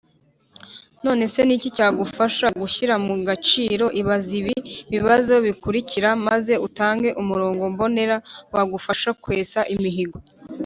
None se ni iki cyagufasha gushyira mu gaciro Ibaze ibi bibazo bikurikira maze utange umurongo mbonera wagufasha kwesa imihigo.